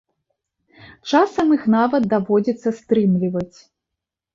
Часам іх нават даводзіцца стрымліваць.